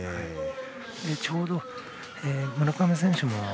ちょうど村上選手